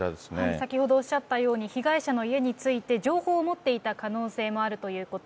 先ほどおっしゃったように、被害者の家について、情報を持っていた可能性もあるということ。